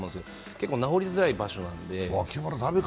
結構、治りづらい場所なので。